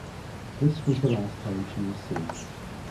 This was the last time she was seen.